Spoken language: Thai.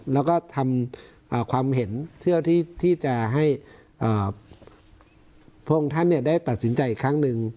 แล้วก็ทำความเห็นที่จะให้พวกท่านเนี่ยได้ตัดสินใจอีกครั้งหนึ่ง